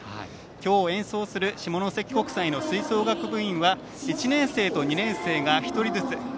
今日、演奏する下関国際の吹奏楽部員は１年生と２年生が１人ずつ。